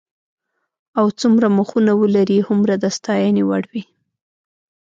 او څومره مخونه ولري هومره د ستاینې وړ وي.